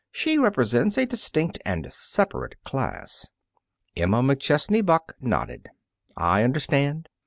She represents a distinct and separate class." Emma McChesney Buck nodded: "I understand.